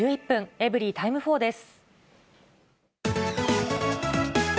エブリィタイム４です。